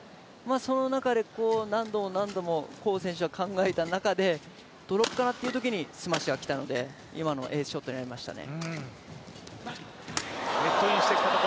その中で、何度も何度も黄選手が考えた中でドロップかなというときにスマッシュが来たので今のエースショットになりましたね。